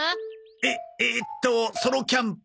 えっえーっとソロキャンプ。